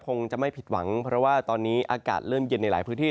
คงจะไม่ผิดหวังเพราะว่าตอนนี้อากาศเริ่มเย็นในหลายพื้นที่